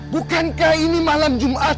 bukankah ini malam jumat